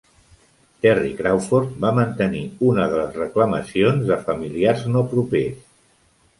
Terri Crawford va mantenir una de les reclamacions de familiars no propers.